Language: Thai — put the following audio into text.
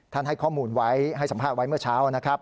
ให้ข้อมูลไว้ให้สัมภาษณ์ไว้เมื่อเช้านะครับ